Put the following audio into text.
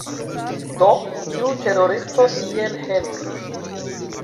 Do, tiu teroristo iel helpis